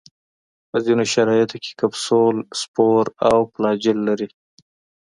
په ځینو شرایطو کې کپسول، سپور او فلاجیل لري.